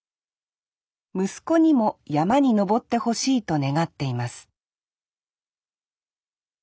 息子にも曳山に上ってほしいと願っています